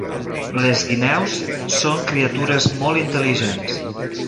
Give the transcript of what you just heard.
Les guineus són criatures molt intel·ligents.